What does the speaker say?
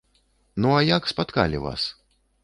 Ну, а як спаткалі вас?